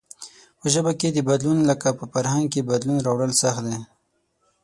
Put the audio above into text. په ژبه کې بدلون لکه په فرهنگ کې بدلون راوړل سخت دئ.